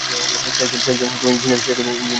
সে একজন ইন্জিনিয়ারি।